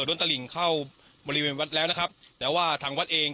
ล้นตะหลิงเข้าบริเวณวัดแล้วนะครับแต่ว่าทางวัดเอง